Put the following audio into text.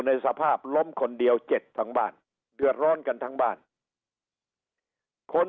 ในสภาพล้มคนเดียวเจ็บทั้งบ้านเดือดร้อนกันทั้งบ้านคน